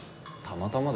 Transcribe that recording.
たまたま。